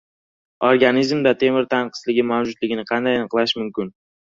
Organizmda temir tanqisligi mavjudligini qanday aniqlash mumkin?